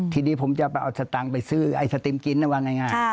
ทีนี้ผมจะเอาสตางค์ไปซื้อไอศติมกินวางไง